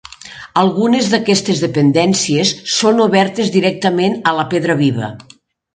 Algunes d'aquestes dependències són obertes directament a la pedra viva.